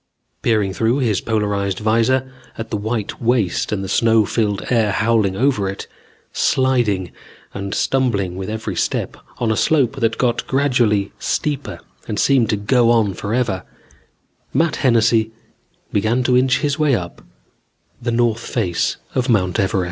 Peering through his polarized vizor at the white waste and the snow filled air howling over it, sliding and stumbling with every step on a slope that got gradually steeper and seemed to go on forever, Matt Hennessy began to inch his way up the north face of Mount Everest.